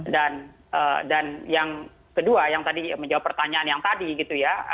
dan yang kedua yang tadi menjawab pertanyaan yang tadi gitu ya